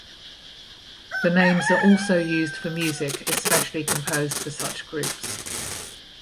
The names are also used for music especially composed for such groups.